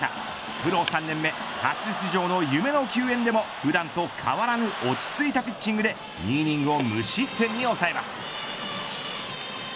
プロ３年目初出場の夢の球宴でも普段と変わらぬ落ち着いたピッチングで２イニングを無失点に抑えます。